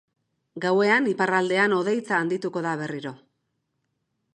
Gauean iparraldean hodeitza handituko da berriro.